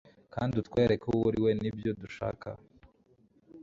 Kandi utwereke uwo uriwe nibyo dushaka